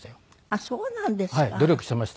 あっそうなんですか。